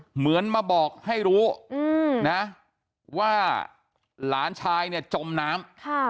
เหมือนมาบอกให้รู้นะว่าหลานชายเนี่ยจมน้ำ